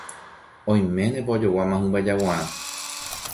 Oiménepa ojoguáma hymba jaguarã.